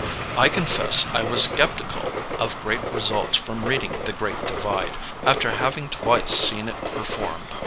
I confess I was skeptical of great results from reading The Great Divide after having twice seen it performed.